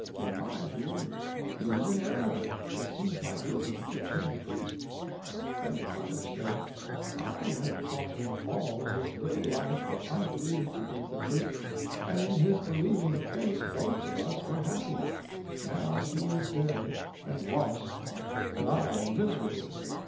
In my view he was in error; it seemed my duty to teach him the truth_." Then the mother said: "_I had taught him, all his little life, what I believed to be the truth, and in his believing faith both of us were happy. Now he is dead,—and lost; and I am miserable.